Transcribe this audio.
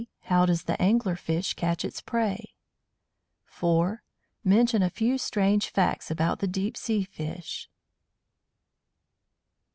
How does the Angler fish catch its prey? 4. Mention a few strange facts about the deep sea fish.